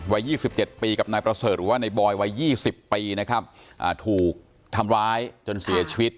วัยยี่สิบเจ็ดปีกับนายประเสริฐหรือว่าในบอยวัยยี่สิบปีนะครับถูกทำร้ายจนเสียชีวิต